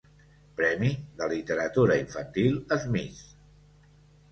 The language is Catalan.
Premi de Literatura Infantil Smith.